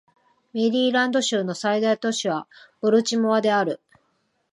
メリーランド州の最大都市はボルチモアである